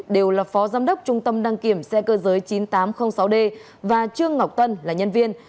đều là phó giám đốc trung tâm đăng kiểm xe cơ giới chín nghìn tám trăm linh sáu d và trương ngọc tân là nhân viên